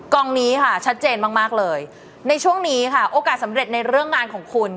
กองนี้ค่ะชัดเจนมากมากเลยในช่วงนี้ค่ะโอกาสสำเร็จในเรื่องงานของคุณ